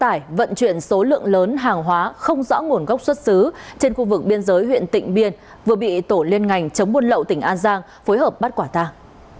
tài vận chuyển số lượng lớn hàng hóa không rõ nguồn gốc xuất xứ trên khu vực biên giới huyện tỉnh biên vừa bị tổ liên ngành chống buôn lậu tỉnh an giang phối hợp bắt quả tàng